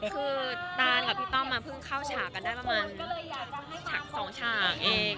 คือตันกับพี่ต้อมมาเพิ่งเข้าฉากกันได้ประมาณฉักสองฉากเอง